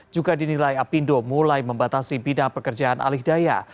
juga dinilai apindo mulai membatasi bidang pekerjaan alih daya